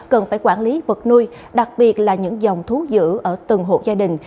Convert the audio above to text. cần phải quản lý vật nuôi đặc biệt là những dòng thu giữ ở từng hộp gia đình